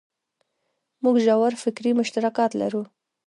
موږ ژور فکري مشترکات لرو.